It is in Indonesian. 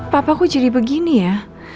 papa kok jadi begini ya